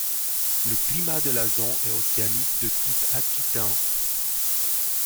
Le climat de la zone est océanique de type aquitain.